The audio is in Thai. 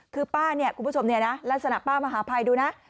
คือป้าเนี่ยคุณผู้ชมเนี่ยนะลักษณะป้ามหาภัยดูนะ